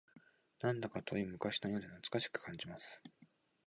なんだか遠い昔のようで懐かしく感じます